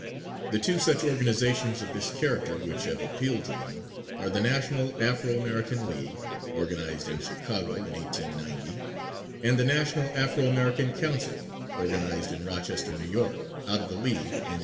The two such organizations of this character which have appealed to them are the National Afro American League, organized in Chicago, in 1890, and the National Afro American Council, organized in Rochester, New York, out of the League, in 1898.